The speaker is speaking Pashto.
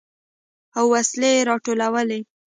او وسلې يې راټولولې.